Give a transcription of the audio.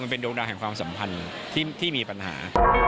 เป็นดวงดาวแห่งความสัมพันธ์ที่มีปัญหา